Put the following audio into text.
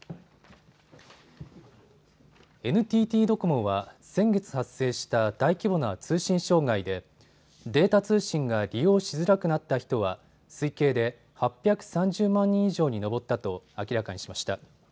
ＮＴＴドコモは先月、発生した大規模な通信障害でデータ通信が利用しづらくなった人は推計で８３０万人以上に上ったと明らかにしました。